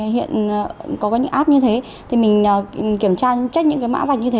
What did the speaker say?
hiện có những app như thế thì mình kiểm tra trách những cái mã vạch như thế